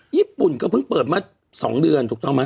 ญี่ปุ่นก็เพิ่งเปิดมา๒เดือนถูกต้องไหม